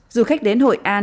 dù khách đến hội an